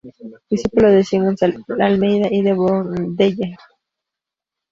Discípulo de Simões de Almeida y de Bourdelle.